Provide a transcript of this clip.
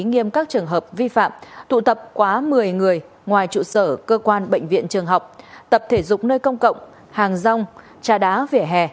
nghiêm các trường hợp vi phạm tụ tập quá một mươi người ngoài trụ sở cơ quan bệnh viện trường học tập thể dục nơi công cộng hàng rong trà đá vỉa hè